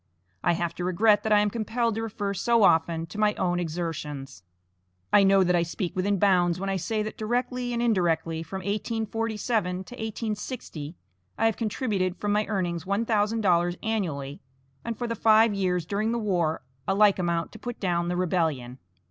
I have to regret that I am compelled to refer so often to my own exertions. I know that I speak within bounds when I say that directly and indirectly from 1847 to 1860, I have contributed from my earnings one thousand dollars annually, and for the five years during the war a like amount to put down the rebellion.